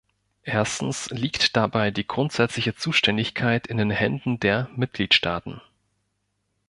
Erstens liegt dabei die grundsätzliche Zuständigkeit in den Händen der Mitgliedstaaten.